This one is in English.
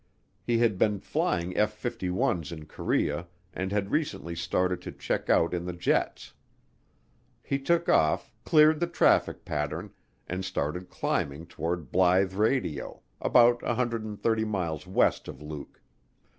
He had been flying F 51's in Korea and had recently started to check out in the jets. He took off, cleared the traffic pattern, and started climbing toward Blythe Radio, about 130 miles west of Luke.